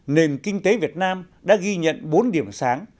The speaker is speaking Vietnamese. nền kinh tế việt nam đã ghi nhận bốn điểm sáng